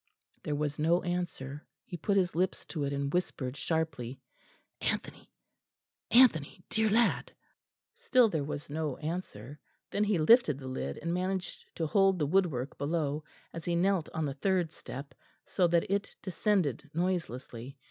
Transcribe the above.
There was no answer; he put his lips to it and whispered sharply: "Anthony, Anthony, dear lad." Still there was no answer. Then he lifted the lid, and managed to hold the woodwork below, as he knelt on the third step, so that it descended noiselessly.